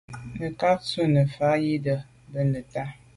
Nə̀ cǎ tǎ ú rə̌ nə̀ fà’ zí’də́ bə́ nə̀tá.